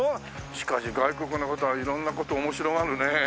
しかし外国の方は色んな事を面白がるね。